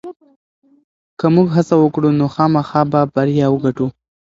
که موږ هڅه وکړو نو خامخا به بریا وګټو.